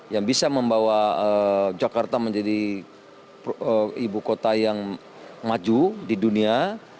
yang bisa membawa jakarta menjadi ibu kota yang maju di dunia